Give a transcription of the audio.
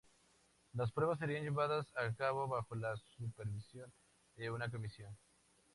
Las pruebas serían llevadas a cabo bajo la supervisión de una Comisión.